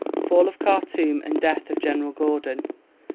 Fall of Khartoum and death of General Gordon.